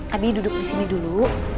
abi duduk disini dulu